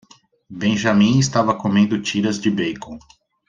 Benjamin estava comendo tiras de bacon.